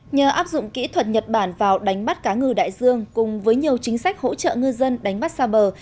nhờ áp dụng kỹ thuật nhật bản vào đánh bắt cá ngừ đại dương cùng với nhiều chính sách hỗ trợ ngư dân đánh bắt xa bờ